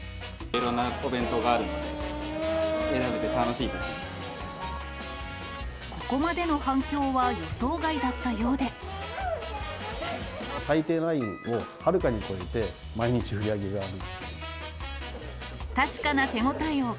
いろんなお弁当があるので、ここまでの反響は予想外だっ最低ラインをはるかに超えて、毎日売り上げがある。